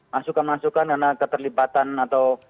masukan masukan karena keterlibatan atau